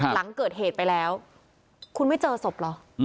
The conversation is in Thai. หลังเกิดเหตุไปแล้วคุณไม่เจอศพเหรอ